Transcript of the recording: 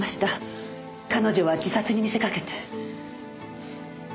彼女は自殺に見せかけて。